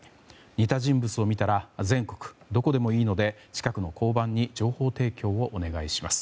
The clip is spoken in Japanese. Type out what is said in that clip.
似た人物を見たら全国どこでもいいので近くの交番に情報提供をお願いします。